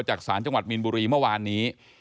จากศจหมีนบุรี